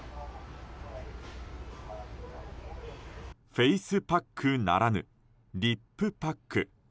フェースパックならぬリップパック。